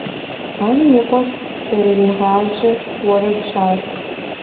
Анэм и къуэр зэрыригъажьэ уэрэдщ ар.